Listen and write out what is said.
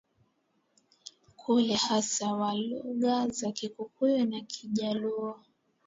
kule hasa wa lugha za Kikuyu na Kijaluo